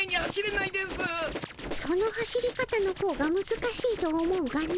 その走り方のほうがむずかしいと思うがの。